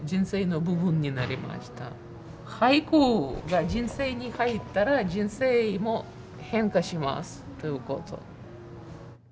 俳句が人生に入ったら人生も変化しますということ。